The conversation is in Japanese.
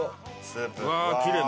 うわきれい。